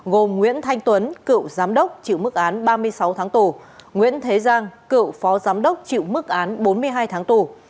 gồm nguyễn thanh tuấn cựu giám đốc chịu mức án ba mươi sáu tháng tù nguyễn thế giang cựu phó giám đốc chịu mức án bốn mươi hai tháng tù